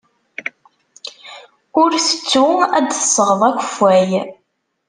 Ur ttettu ad d-tesɣeḍ akeffay.